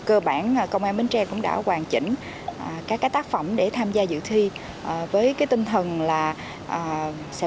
cơ bản công an bến tre cũng đã hoàn chỉnh các tác phẩm để tham gia dự thi với cái tinh thần là sẽ